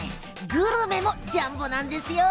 グルメもジャンボなんですよ。